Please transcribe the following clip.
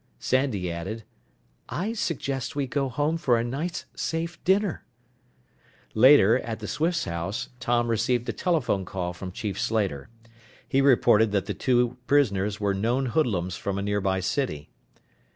Sandy added, "I suggest we go home for a nice safe dinner." Later, at the Swifts' house, Tom received a telephone call from Chief Slater. He reported that the two prisoners were known hoodlums from a nearby city.